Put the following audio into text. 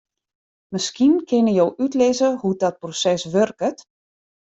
Miskien kinne jo útlizze hoe't dat proses wurket?